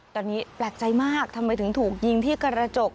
ตอนนี้แปลกใจมากทำไมถึงถูกยิงที่กระจก